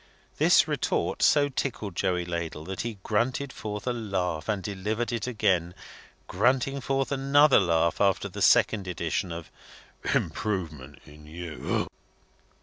The retort so tickled Joey Ladle that he grunted forth a laugh and delivered it again, grunting forth another laugh after the second edition of "improvement in you."